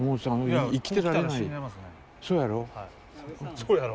「そうやろ」。